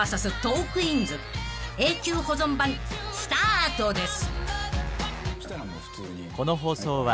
［永久保存版スタートです］